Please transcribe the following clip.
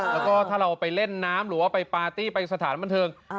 แล้วก็ถ้าเราไปเล่นน้ำหรือว่าไปปาร์ตี้ไปสถานบันเทิง